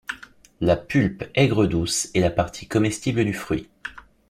La pulpe aigre-douce est la partie comestible du fruit.